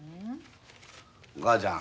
お母ちゃん。